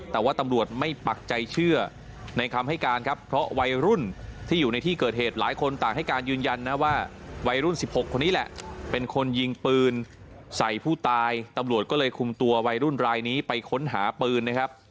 แต่ว่าตำรวจไม่ปักใจเชื่อในคำให้การครับ